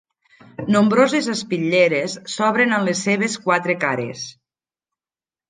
Nombroses espitlleres s'obren en les seves quatre cares.